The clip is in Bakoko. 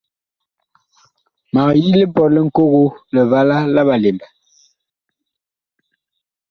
Mag yi lipɔt li Ŋkogo, Livala la Ɓalemba.